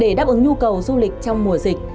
để đáp ứng nhu cầu du lịch trong mùa dịch